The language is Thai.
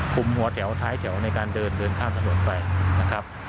คุมหัวแถวท้ายแถวในการเดินข้ามสะดวกไปนะครับ